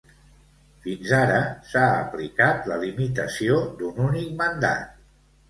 Fins ara, s'ha aplicat la limitació d'un únic mandat.